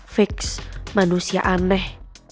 fix manusia aneh